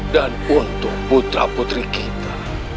dan untuk putra putri kita